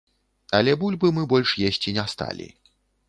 Але бульбы мы больш есці не сталі.